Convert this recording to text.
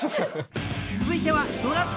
［続いては］